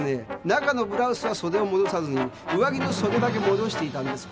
中のブラウスは袖を戻さずに上着の袖だけ戻していたんです。